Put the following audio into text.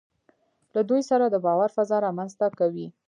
له دوی سره د باور فضا رامنځته کوي.